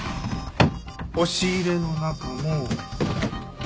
押し入れの中も。